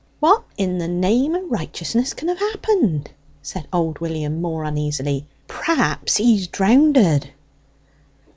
"What in the name o' righteousness can have happened?" said old William, more uneasily. "Perhaps he's drownded!"